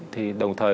thì đồng thời